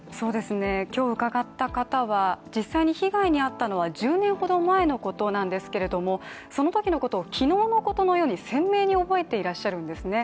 今日伺った方は実際に被害に遭ったのは１０年ほど前のことなんですけれども、そのときのことを昨日のことのように鮮明に覚えていらっしゃるんですね。